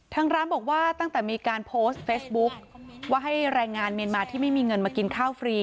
ทางร้านบอกว่าตั้งแต่มีการโพสต์เฟซบุ๊คว่าให้แรงงานเมียนมาที่ไม่มีเงินมากินข้าวฟรี